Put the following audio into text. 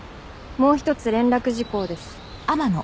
もう１つ連絡事項です。